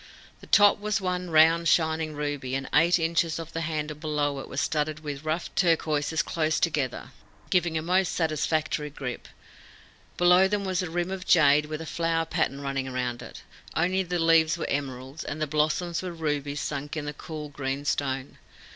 The top was one round, shining ruby, and eight inches of the handle below it were studded with rough turquoises close together, giving a most satisfactory grip. Below them was a rim of jade with a flower pattern running round it only the leaves were emeralds, and the blossoms were rubies sunk in the cool, green stone.